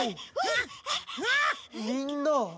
みんな。